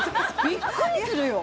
びっくりするよ